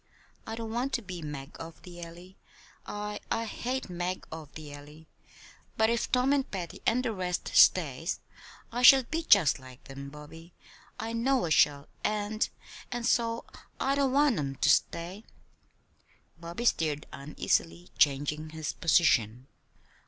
I don't want to be Mag of the Alley. I I hate Mag of the Alley. But if Tom and Patty and the rest stays I shall be just like them, Bobby, I know I shall; and and so I don't want 'em to stay." Bobby stirred uneasily, changing his position.